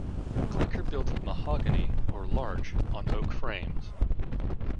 Clinker built of mahogany or larch on oak frames.